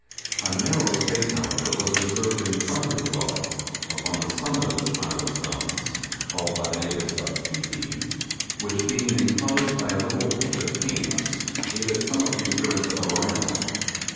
A narrow space, however, was reserved in front of the dwelling, upon the summit of this pile of stones (called by the natives a 'pi pi'), which being enclosed by a little picket of canes, gave it somewhat the appearance of a verandah.